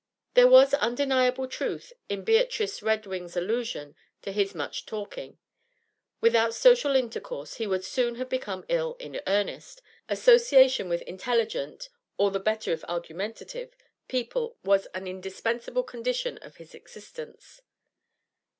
There was undeniable truth in Beatrice Redwing's allusion to his much talking; without social intercourse he would soon have become ill in earnest; association with intelligent all the better if argumentative people was an indispensable condition of his existence.